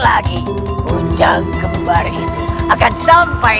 baik kita kembali lagi